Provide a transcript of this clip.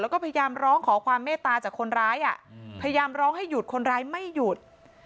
แล้วก็พยายามร้องขอความเมตตาจากคนร้ายพยายามร้องให้หยุดคนร้ายไม่หยุด